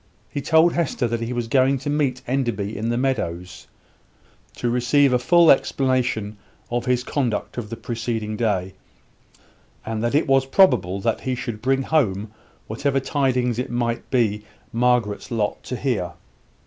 He told Hester that he was going to meet Enderby in the meadows, to receive a full explanation of his conduct of the preceding day; and that it was probable that he should bring home whatever tidings it might be Margaret's lot to hear.